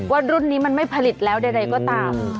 ว่ารุ่นนี้มันไม่ผลิตแล้วใดก็ตาม